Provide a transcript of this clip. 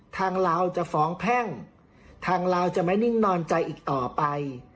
ลาวจะฟ้องแพ่งทางลาวจะไม่นิ่งนอนใจอีกต่อไป